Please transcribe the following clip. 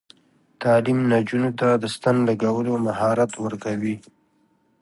تعلیم نجونو ته د ستن لګولو مهارت ورکوي.